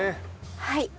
はい。